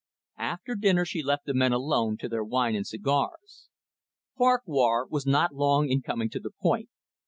After dinner she left the men alone to their wine and cigars. Farquhar was not long in coming to the point.